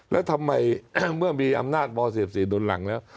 แล้วทำไมเมื่อมีอำนาจม๑๔โดนหลังแล้ว